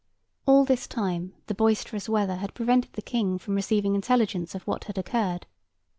All this time, the boisterous weather had prevented the King from receiving intelligence of what had occurred.